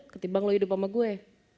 ketimbang lo hidup sama gue